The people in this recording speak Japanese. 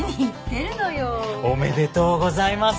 おめでとうございます！